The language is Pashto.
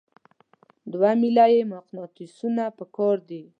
دوه میله یي مقناطیسونه پکار دي.